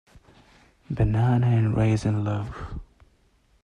Banana and raisin loaf.